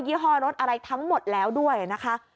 ี่ห้อรถอะไรทั้งหมดแล้วด้วยนะคะ